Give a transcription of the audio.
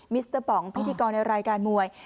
สเตอร์ป๋องพิธีกรในรายการมวย